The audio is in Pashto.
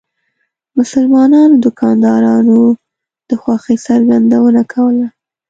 مسلمانو دکاندارانو د خوښۍ څرګندونه کوله.